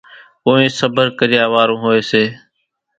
ڪونئين صڀر ڪريا وارون هوئيَ سي۔